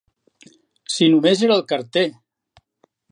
Si només era el carter!